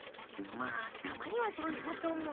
まあたまにはそういうことも。